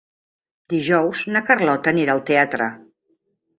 Dijous na Carlota anirà al teatre.